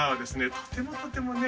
とてもとてもね